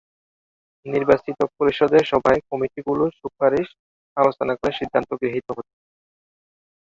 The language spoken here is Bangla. নির্বাচিত পরিষদের সভায় কমিটি গুলোর সুপারিশ আলোচনা করে সিদ্ধান্ত গৃহীত হতো।